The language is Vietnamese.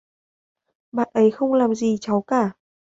bạn ấy không làm gì cháu cả